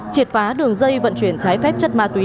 triệt phá đường dây vận chuyển trái phép chất ma túy